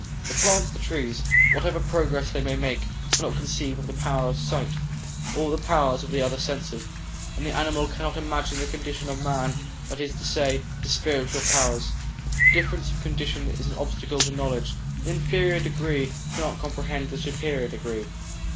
The plants, the trees, whatever progress they may make, cannot conceive of the power of sight or the powers of the other senses; and the animal cannot imagine the condition of man, that is to say, his spiritual powers. Difference of condition is an obstacle to knowledge; the inferior degree cannot comprehend the superior degree.